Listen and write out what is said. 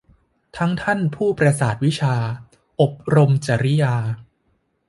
ทั้งท่านผู้ประสาทวิชา อบรมจริยา